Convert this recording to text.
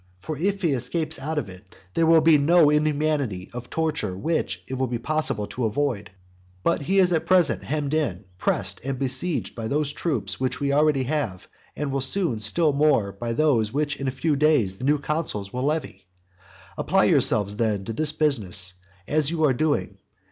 For if he escapes out of it, there will be no inhumanity of torture which it will be possible to avoid. But he is at present hemmed in, pressed, and besieged by those troops which we already have, and will soon be still more so by those which in a few days the new consuls will levy. Apply yourselves then to this business, as you are doing.